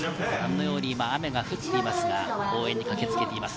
雨が降っていますが、応援に駆けつけています。